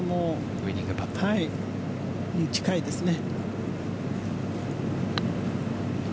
ウイニングパット。に近いですね。